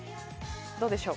どうでしょう。